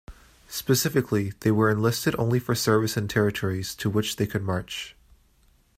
Specifically, they were enlisted only for service in territories to which they could march.